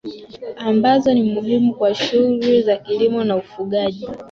ambazo ni muhium kwa shughuli za kilimo na ufugaji